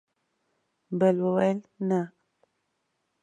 بل وویل: نه!